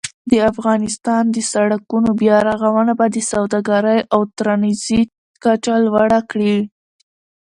د افغانستان د سړکونو بیا رغونه به د سوداګرۍ او ترانزیت کچه لوړه کړي.